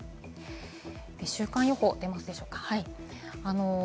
週間予報、出ますでしょうか？